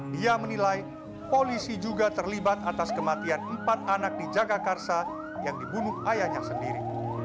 dia menilai polisi juga terlibat atas kematian empat anak di jagakarsa yang dibunuh ayahnya sendiri